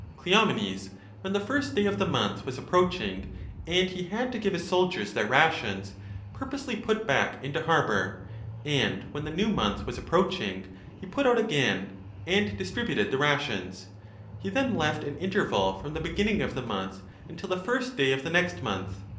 I 353 b Cleomcnes, when the first day of the month was approaching and he had to give his soldiers their rations, purposely put back into harbour, and when the new month was approaching he put out again and distributed the rations ; he then left an interval from the beginning of the 5 month until the first day of the next month.